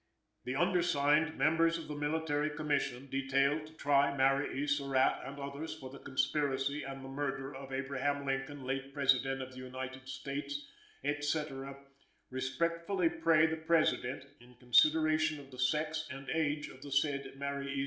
] "The undersigned, members of the Military Commission detailed to try Mary E. Surratt and others for the conspiracy and the murder of Abraham Lincoln, late President of the United States, &c., respectfully pray the President, in consideration of the sex and age of the said Mary E.